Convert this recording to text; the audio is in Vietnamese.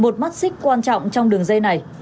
một mắt xích quan trọng trong đường dây này